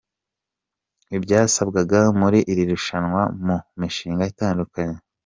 Ibyasabwaga muri iri rushawa mu mishinga itandukanye.